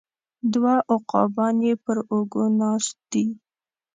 دوه عقابان یې پر اوږو ناست دي